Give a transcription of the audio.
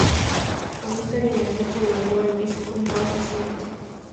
Con esta alineación se grabó el disco más reciente.